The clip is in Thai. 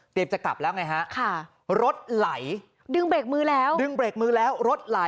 เตรียบจะกลับแล้วไงคะ